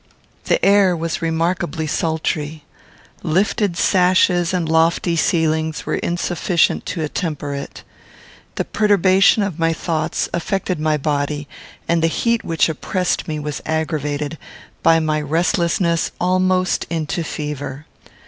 The air was remarkably sultry. Lifted sashes and lofty ceilings were insufficient to attemper it. The perturbation of my thoughts affected my body, and the heat which oppressed me was aggravated, by my restlessness, almost into fever.